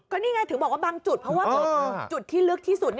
นี่ไงถึงบอกว่าบางจุดเพราะว่าจุดที่ลึกที่สุด